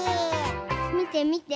みてみて。